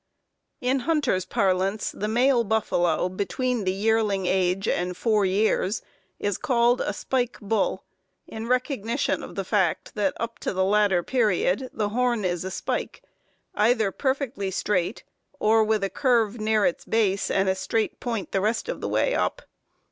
_ In hunters' parlance, the male buffalo between the "yearling" age and four years is called a "spike" bull, in recognition of the fact that up to the latter period the horn is a spike, either perfectly straight, or with a curve near its base, and a straight point the rest of the way up.